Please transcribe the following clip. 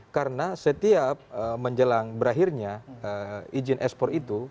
karena setiap menjelang berakhirnya izin ekspor itu